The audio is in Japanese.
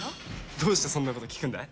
どうしてそんなこと聞くんだい？